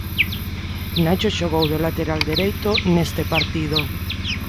Nacho xogou de lateral dereito neste partido.